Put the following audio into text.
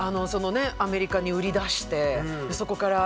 アメリカに売り出してそこからね